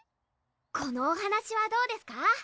このお話はどうですか？